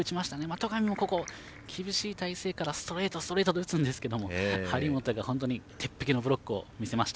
戸上も、ここ厳しい体勢からストレート、ストレートと打つんですけど張本が本当に鉄壁のブロックを見せました。